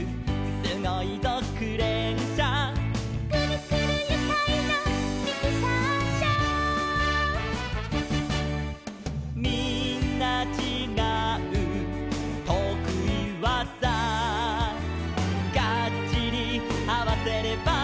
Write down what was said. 「すごいぞクレーンしゃ」「くるくるゆかいなミキサーしゃ」「みんなちがうとくいわざ」「ガッチリあわせれば」